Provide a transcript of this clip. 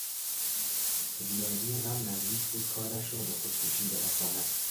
زیادی غم نزدیک بود کارش را به خودکشی برساند.